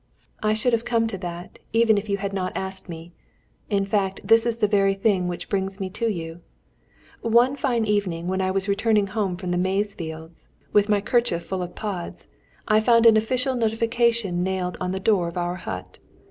"I should have come to that, even if you had not asked me. In fact, this is the very thing which brings me to you. One fine evening when I was returning home from the maize fields, with my kerchief full of pods, I found an official notification nailed on the door of our hut.